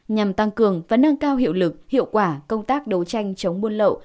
nhằm tăng cường và nâng cao hiệu lực hiệu quả công tác đấu tranh chống buôn lậu